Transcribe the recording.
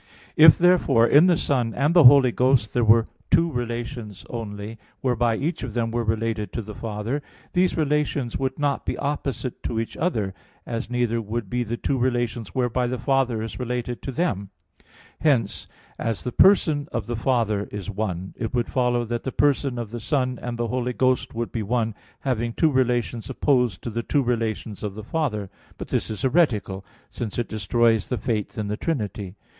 If therefore in the Son and the Holy Ghost there were two relations only, whereby each of them were related to the Father, these relations would not be opposite to each other, as neither would be the two relations whereby the Father is related to them. Hence, as the person of the Father is one, it would follow that the person of the Son and of the Holy Ghost would be one, having two relations opposed to the two relations of the Father. But this is heretical since it destroys the Faith in the Trinity.